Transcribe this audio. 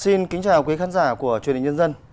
xin kính chào quý khán giả của truyền hình nhân dân